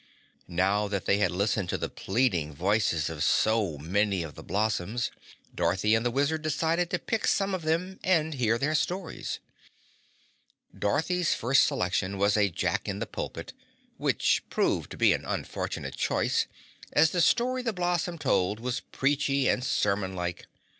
Now that they had listened to the pleading voices of so many of the blossoms, Dorothy and the Wizard decided to pick some of them and hear their stories. Dorothy's first selection was a Jack in the Pulpit, which proved to be an unfortunate choice as the story the blossom told was preachy and sermon like.